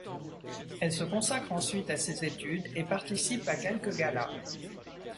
Elle se consacre ensuite à ses études et participe à quelques galas.